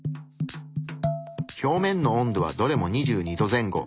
表面の温度はどれも２２℃前後。